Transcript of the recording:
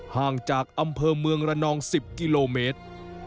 ห่างจากอำเภอเมืองระนอง๑๐กิโลเมตร